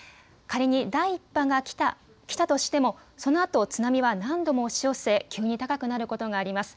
仮に第１波が来たとしてもそのあと津波は何度も押し寄せ急に高くなることがあります。